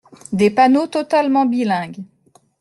Des panneaux totalement bilingues.